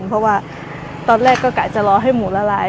เพราะว่าตอนแรกก็กะจะรอให้หมูละลาย